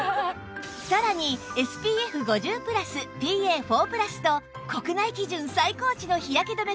さらに ＳＰＦ５０＋ＰＡ＋＋＋＋ と国内基準最高値の日焼け止め